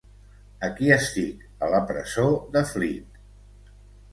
Aquí estic, a la presó de Fleet.